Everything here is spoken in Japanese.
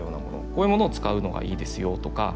こういうものを使うのがいいですよとか。